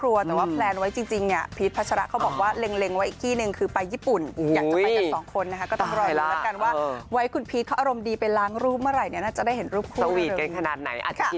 ว่ารูปถ่ายออกมาเล็กหรือเปล่า